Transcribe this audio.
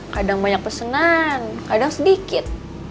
kadang banyak pesenan kadang sedikit